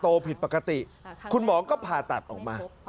ผิดปกติคุณหมอก็ผ่าตัดออกมา